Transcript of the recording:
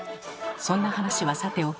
そんな話はさておき